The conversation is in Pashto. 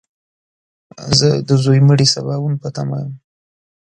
زه د ځوی مړي سباوون په تمه !